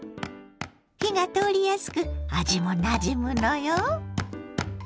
火が通りやすく味もなじむのよ。